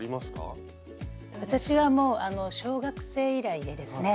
私はもうあの小学生以来でですね。